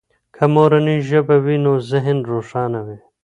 که مورنۍ ژبه وي نو ذهن روښانه وي.